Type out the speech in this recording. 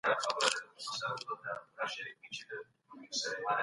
که کورنۍ ښوونه منظمه وي، د زده کړي وېره نه پیدا کېږي.